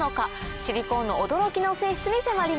シリコーンの驚きの性質に迫ります。